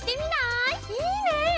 いいね！